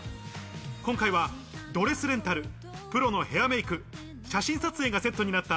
今回はドレスレンタル、プロのヘアメイク、写真撮影がセットになった、